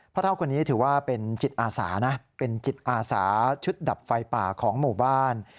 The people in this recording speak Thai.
เท่าคนนี้ถือว่าเป็นจิตอาสานะเป็นจิตอาสาชุดดับไฟป่าของหมู่บ้าน